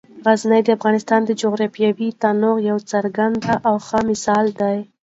غزني د افغانستان د جغرافیوي تنوع یو څرګند او ښه مثال دی.